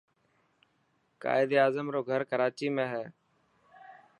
قائد اعظم رو گھر ڪراچي ۾ هي.